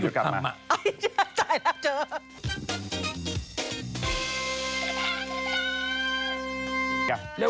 ถ่ายหลักเจอ